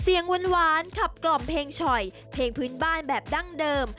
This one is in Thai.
เสียงหวานขับกล่อมเพลงฉ่อยเพลงพื้นบ้านแบบดั้งเดิม